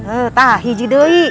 eh tah hiji doi